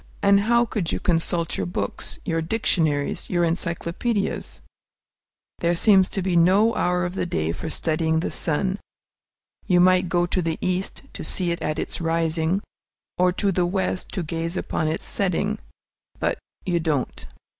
And how could you consult your books, your dictionaries, your encyclopædias? There seems to be no hour of the day for studying the sun. You might go to the East to see it at its rising, or to the West to gaze upon its setting, but you don't.